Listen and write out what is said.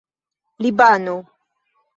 libano